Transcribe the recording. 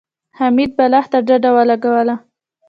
حميد بالښت ته ډډه ولګوله.